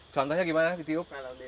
contohnya gimana ditiup